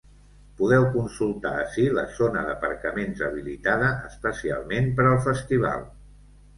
Podeu consultar ací la zona d’aparcaments habilitada especialment per al festival.